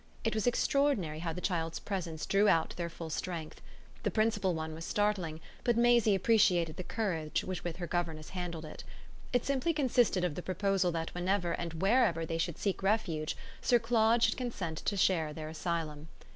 It was extraordinary how the child's presence drew out their full strength. The principal one was startling, but Maisie appreciated the courage with which her governess handled it. It simply consisted of the proposal that whenever and wherever they should seek refuge Sir Claude should consent to share their asylum.